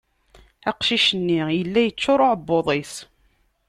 Aqcic-nni yella yeččur uεebbuḍ-is.